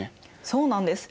そうなんです。